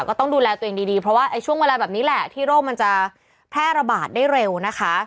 ก็ต้องดูแลตัวเองดีเพราะว่าช่วงเวลาแบบนี้แหละที่โรคมันจะแพร่ระบาดได้เร็วนะคะ